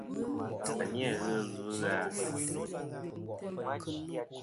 A ni-a ghɨ ɨlvɨ na.